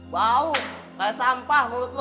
bau kayak sampah mulut lo